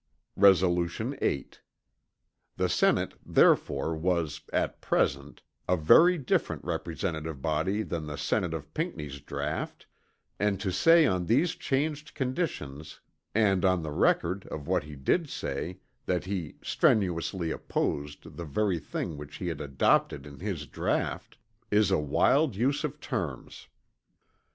Resolution 8. The Senate therefore was "at present," a very different representative body than the Senate of Pinckney's draught; and to say on these changed conditions and on the record of what he did say that he "strenuously opposed" the very thing which he had adopted in his draught is a wild use of terms.